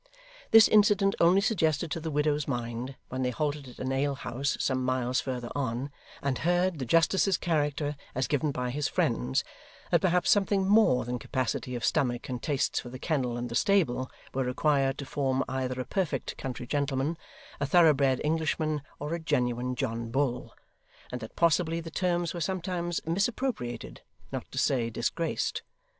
This incident only suggested to the widow's mind, when they halted at an alehouse some miles further on, and heard the justice's character as given by his friends, that perhaps something more than capacity of stomach and tastes for the kennel and the stable, were required to form either a perfect country gentleman, a thoroughbred Englishman, or a genuine John Bull; and that possibly the terms were sometimes misappropriated, not to say disgraced.